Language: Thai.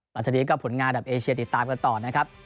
หลังจากนี้ก็ผลงานแบบเอเชียติดตามกันต่อนะครับ